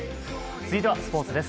続いてはスポーツです。